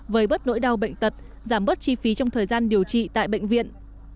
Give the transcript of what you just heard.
với bớt nỗi đau bệnh tật giảm bớt chi phí trong thời gian điều trị tại bệnh viện